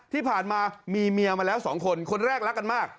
ที่ผ่านมามีเมียมาแล้วสองคนคนแรกรักกันมาก